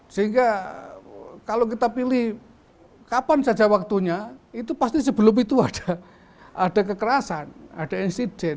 sehingga kalau kita pilih kapan saja waktunya itu pasti sebelum itu ada kekerasan ada insiden